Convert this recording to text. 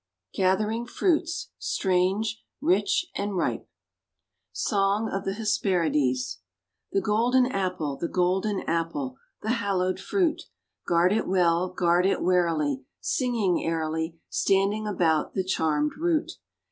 GATHERING FRUITS STRANGE, RICH, AND RIPE SONG OF THE HESPERIDES The Golden Apple, the Golden Apple, the hallowed fruit, Guard it well, guard it warily, Singing airily, Standing about the charmed root!